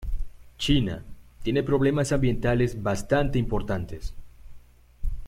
China tiene problemas ambientales bastante importantes.